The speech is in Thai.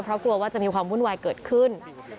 เพราะกลัวว่าจะมีความวุ่นวายเกิดขึ้น